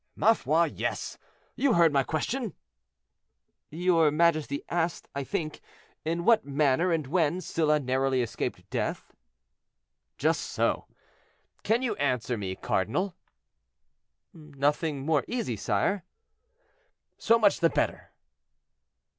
"Ma foi! yes; you heard my question?" "Your majesty asked, I think, in what manner, and when, Sylla narrowly escaped death?" "Just so—can you answer me, cardinal?" "Nothing more easy, sire." "So much the better."